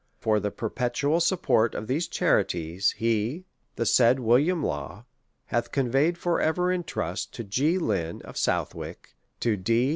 For the perpetual support of these charities, he, the said \V. Law, hath conveyed for ever in trust, to G. Lynn, of Southwick ; to D.